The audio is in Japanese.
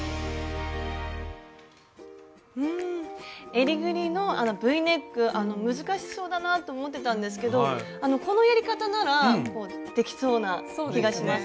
えりぐりのＶネック難しそうだなと思ってたんですけどこのやり方ならできそうな気がします。